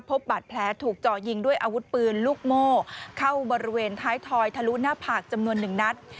พบบาดแผลถูกเจาะยิงด้วยอาวุธปืนลูกโม่เข้าบริเวณท้ายทอยทะลุหน้าผากจำนวนหนึ่งนัด